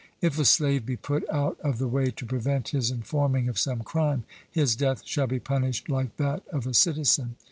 If a slave be put out of the way to prevent his informing of some crime, his death shall be punished like that of a citizen.